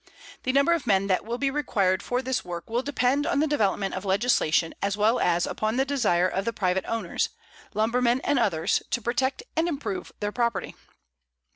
The number of men that will be required for this work will depend on the development of legislation as well as upon the desire of the private owners, lumbermen and others, to protect and improve their property.